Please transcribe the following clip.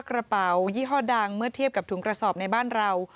กระเป๋ายี่ห้อดังเมื่อเทียบกับถุงกระสอบในบ้านเรา